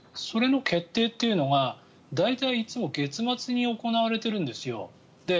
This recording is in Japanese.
それの決定というのは大体いつも月末に行われているんですよ。